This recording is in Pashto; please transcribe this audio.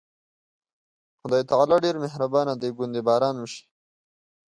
خدای تعالی ډېر مهربانه دی، ګوندې باران وشي.